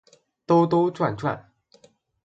兜兜转转